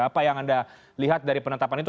apa yang anda lihat dari penetapan itu